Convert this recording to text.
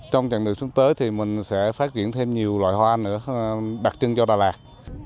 trong chặng đường sắp tới thì mình sẽ phát triển thêm nhiều loại hoa nữa đặc trưng cho đà lạt